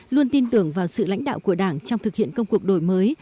luôn tin tưởng vào sự lãnh đạo của đảng trong thực hiện công cuộc đổi mới